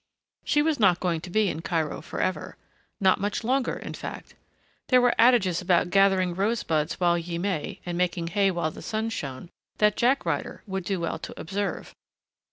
She was not going to be in Cairo forever. Not much longer, in fact. There were adages about gathering rosebuds while ye may and making hay while the sun shone that Jack Ryder would do well to observe.